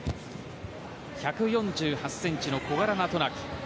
１４８ｃｍの小柄な渡名喜。